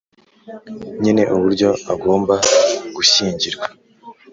nyine uburyo agomba gushyingirwa